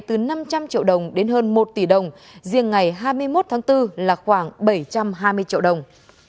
từ năm trăm linh triệu đồng đến hơn một tỷ đồng riêng ngày hai mươi một tháng bốn là khoảng bảy trăm hai mươi triệu đồng